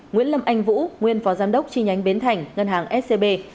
nguyễn lâm anh vũ nguyên phó giám đốc chi nhánh bến thành ngân hàng scb